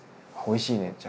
「おいしいね。